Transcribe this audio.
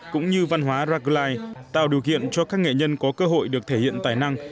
cũng như văn hóa rackline tạo điều kiện cho các nghệ nhân có cơ hội được thể hiện tài năng